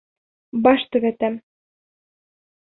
Баш төҙәтәм.